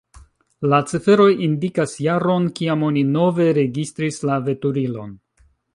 La ciferoj indikas jaron, kiam oni nove registris la veturilon.